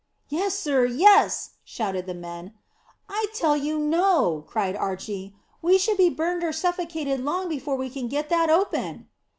"Yes, sir, yes!" shouted the men. "I tell you no," cried Archy; "we should be burned or suffocated long before we could get that open."